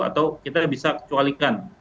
atau kita bisa kecualikan